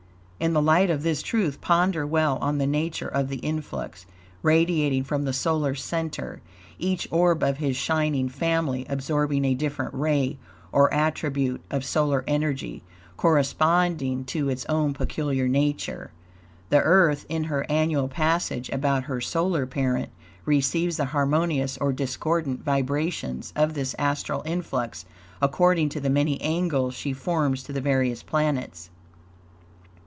In the light of this truth, ponder well on the nature of the influx radiating from the solar center, each orb of his shining family absorbing a different ray, or attribute, of solar energy, corresponding to its own peculiar nature. The Earth, in her annual passage about her solar parent, receives the harmonious or discordant vibrations of this astral influx according to the many angles she forms to the various planets.